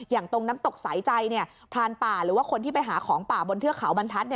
อย่างตรงน้ำตกสายใจพรานป่าหรือว่าคนที่ไปหาของป่าบนเทือกเขาบรรทัศน์